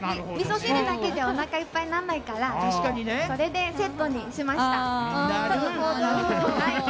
みそ汁だけじゃおなかいっぱいにならないからそれでセットにしました。